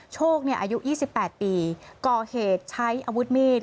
โชคอายุ๒๘ปีก่อเหตุใช้อาวุธมีด